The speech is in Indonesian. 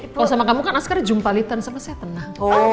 kalau sama kamu kan askar jumpa lilitan sama saya tenang